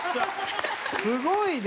すごい！